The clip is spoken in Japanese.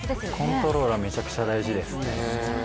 コントロールはめちゃくちゃ大事ですね。